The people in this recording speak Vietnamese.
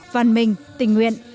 văn minh tình nguyện